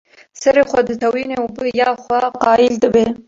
Serê xwe ditewîne û bi ya xwe qayîl dibe.